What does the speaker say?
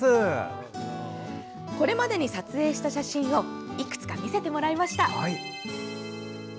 これまでに撮影した写真をいくつか見せてもらいました。